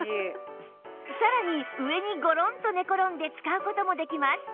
さらに上にゴロンと寝転んで使う事もできます